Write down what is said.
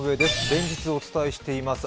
連日お伝えしています